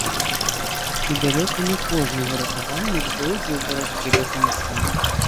І далёка не кожны выратавальнік дойдзе ў барацьбе да канца.